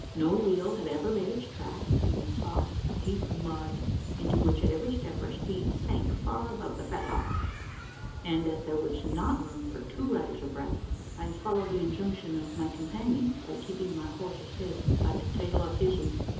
No wheel had ever made its track in the soft deep mud into which, at every step, our steeds sank far above the fetlocks and, as there was not room for two riders abreast, I followed the injunction of my companion by keeping my horse's head "at the tail o' his'n."